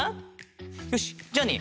よしじゃあね